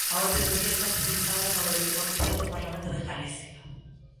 A orde do día está publicada no Boletín Oficial do Parlamento de Galicia.